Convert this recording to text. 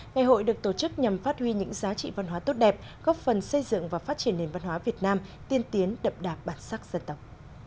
ngày hội được tổ chức nhằm phát huy những giá trị văn hóa tốt đẹp góp phần xây dựng và phát triển nền văn hóa việt nam tiên tiến đậm đạp bản sắc dân tộc